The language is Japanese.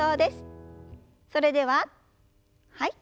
それでははい。